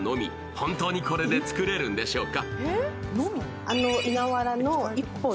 本当にこれで作れるんでしょうか？